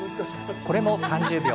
これも３０秒。